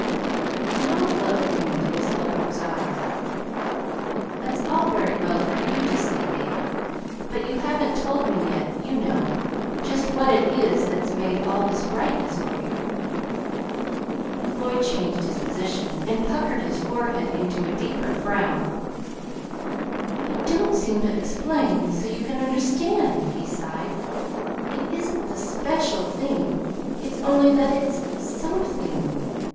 An odd look came into Miss Holbrook's eyes. "That's all very well for you to say, David, but you haven't told me yet, you know, just what it is that's made all this brightness for you." The boy changed his position, and puckered his forehead into a deeper frown. "I don't seem to explain so you can understand," he sighed. "It isn't the SPECIAL thing. It's only that it's SOMETHING.